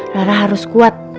rara harus kuat